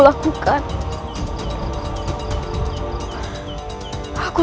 menyusakan segala halau